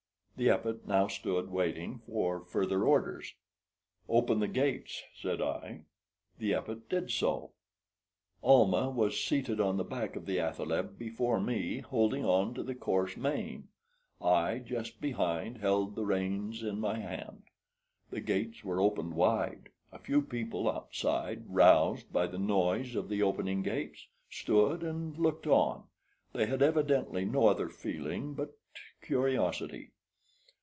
The Epet now stood waiting for further orders. "Open the gates," said I. The Epet did so. Almah was seated on the back of the athaleb before me, holding on to the coarse mane; I, just behind, held the reins in my hand. The gates were opened wide. A few people outside, roused by the noise of the opening gates, stood and looked on. They had evidently no other feeling but curiosity.